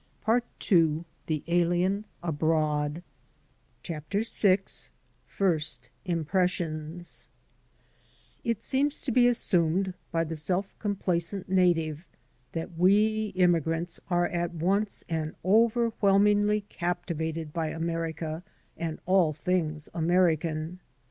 PART II THE ALIEN ABROAD VI FIRST IMPRESSIONS IT seems to be assumed by the self complacent native that we immigrants are at once and over whelmingly captivated by America and all things American.